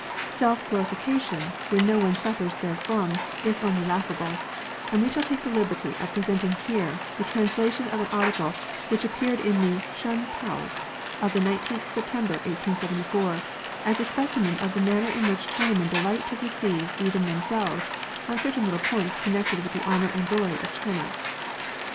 Self glorification, when no one suffers therefrom, is only laughable ; and we shall take the liberty of presenting here the tran slation of an article which appeared in the Shun Pao of the 19th September 1874, as a specimen of the manner in which Chinamen delight to deceive even themselves on certain little points connected with the honour and glory of China.